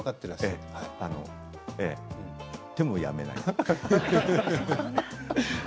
でもやめない。